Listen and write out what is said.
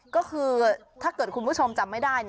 ก็คือถ้าเกิดคุณผู้ชมจำไม่ได้